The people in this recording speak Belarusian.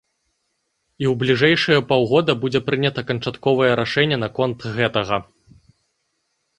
І ў бліжэйшыя паўгода будзе пранята канчатковае рашэнне наконт гэтага.